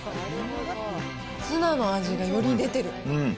ツナの味がより出てる。